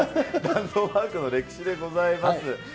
ランドマークの歴史でございます。